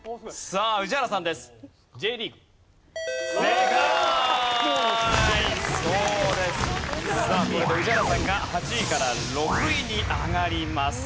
さあこれで宇治原さんが８位から６位に上がります。